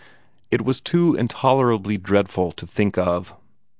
It was too intolerably dreadful to think of!